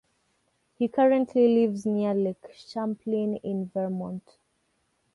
He currently lives near Lake Champlain in Vermont.